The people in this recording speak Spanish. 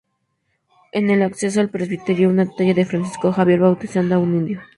En el acceso al presbiterio, una talla de Francisco Javier bautizando a un indio.